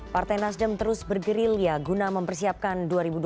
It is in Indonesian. partai nasdem terus bergerilya guna mempersiapkan dua ribu dua puluh